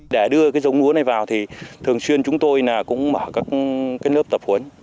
để đưa cái giống lúa này vào thì thường xuyên chúng tôi cũng mở các lớp tập huấn